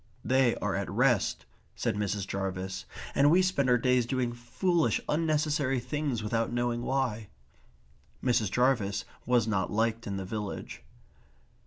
"They are at rest," said Mrs. Jarvis. "And we spend our days doing foolish unnecessary things without knowing why." Mrs. Jarvis was not liked in the village.